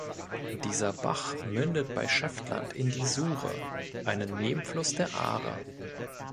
Dieser Bach mündet bei Schöftland in die Suhre, einen Nebenfluss der Aare.